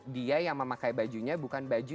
dia yang memakai bajunya bukan baju